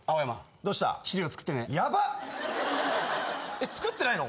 えっ作ってないの？